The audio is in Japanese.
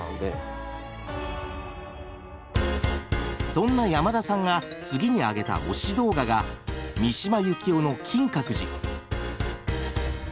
そんな山田さんが次に挙げた推し動画が三島由紀夫の「金閣寺」。